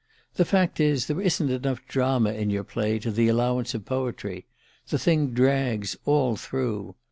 _ The fact is, there isn't enough drama in your play to the allowance of poetry the thing drags all through.